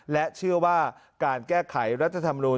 และเชื่อว่าการแก้ไขรัฐธรรมนูล